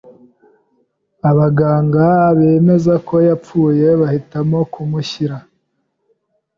abaganga bemeza ko yapfuye bahitamo kumushyira